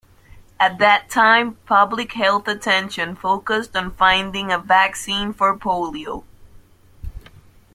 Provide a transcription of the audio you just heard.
At that time, public health attention focused on finding a vaccine for polio.